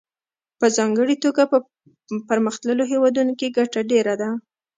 په ځانګړې توګه په پرمختللو هېوادونو کې ګټه ډېره ده